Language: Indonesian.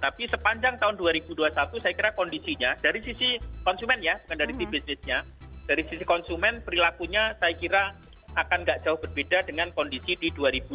tapi sepanjang tahun dua ribu dua puluh satu saya kira kondisinya dari sisi konsumen perilakunya saya kira akan tidak jauh berbeda dengan kondisi di dua ribu dua puluh